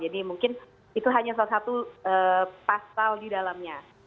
jadi mungkin itu hanya salah satu pasal di dalamnya